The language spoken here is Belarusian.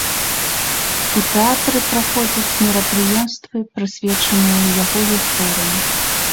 У тэатры праходзяць мерапрыемствы, прысвечаныя яго гісторыі.